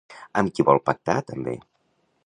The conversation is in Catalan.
Amb qui vol pactar també?